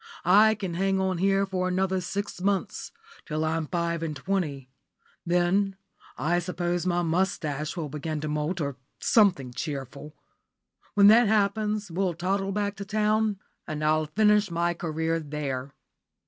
I can hang on here for another six months till I'm five and twenty. Then I suppose my moustache will begin to moult, or something cheerful. When that happens, we'll toddle back to town, and I'll finish my career there."